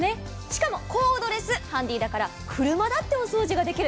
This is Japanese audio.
しかも、コードレスハンディだから車だってお掃除できる。